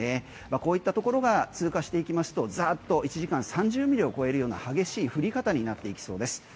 こういったところが通過していきますとザーッと１時間３０ミリを超えるような激しい降り方になっていきそうです。